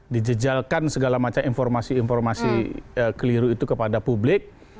dijejalkan segala macam informasi informasi keliru itu kepada publik